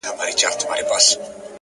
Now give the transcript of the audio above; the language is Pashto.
له ما پـرته وبـــل چــــــاتــــــه!!